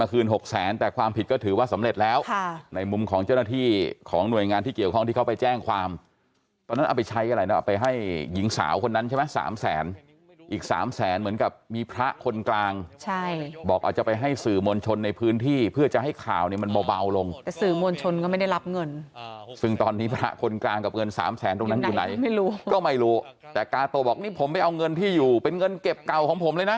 กาโตะบอกนี่ผมไปเอาเงินที่อยู่เป็นเงินเก็บเก่าของผมเลยนะ